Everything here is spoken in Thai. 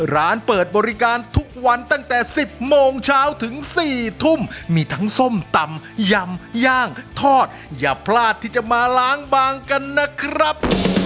ร้านเปิดบริการทุกวันตั้งแต่๑๐โมงเช้าถึง๔ทุ่มมีทั้งส้มตำยำย่างทอดอย่าพลาดที่จะมาล้างบางกันนะครับ